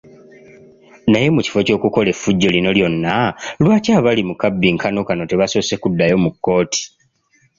Naye mu kifo ky’okukola effujjo lino lyonna, lwaki abali mu kabbinkano kano tebasoose kuddayo mu kkooti.